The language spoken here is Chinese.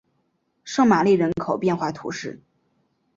圣玛丽人口变化图示